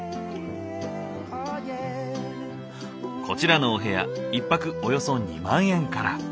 こちらのお部屋１泊およそ２万円から。